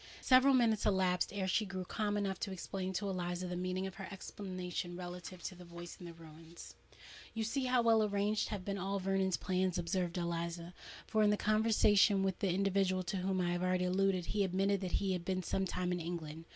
Several minutes elapsed ere she grew calm enough to explain to Eliza the meaning of her exclamation relative to the voice in the ruins. "You see how well arranged have been all Vernon's plans," observed Eliza; "for, in the conversation with the individual to whom I have already alluded, he admitted that he had been some time in England.